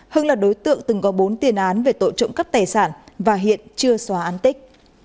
hưng là đối tượng từng có bốn tiền án về tội trộm cắp tài sản và hiện chưa xóa án tích